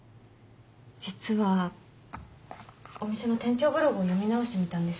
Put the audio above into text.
実はお店の店長ブログを読み直してみたんです。